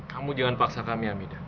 kamu jangan paksa kami amidah